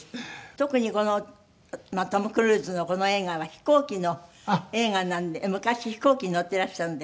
特にトム・クルーズのこの映画は飛行機の映画なので昔飛行機に乗っていらしたので。